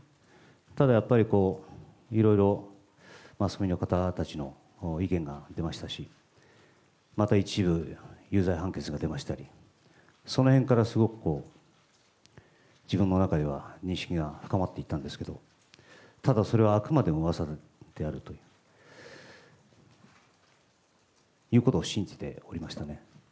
ただやっぱり、こう、いろいろマスコミの方たちの意見が出ましたし、また一部有罪判決が出ましたり、そのへんからすごくこう、自分の中では認識が深まっていったんですけど、ただそれはあくまでもうわさであるということを信じておりましたね。